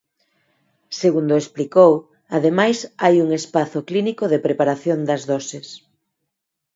Segundo explicou, ademais hai un espazo clínico de preparación das doses.